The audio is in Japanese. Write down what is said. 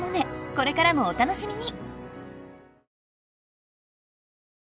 これからもお楽しみに！